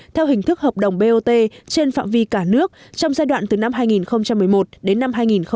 theo hình thức hợp đồng bot trên phạm vi cả nước trong giai đoạn từ năm hai nghìn một mươi một đến năm hai nghìn hai mươi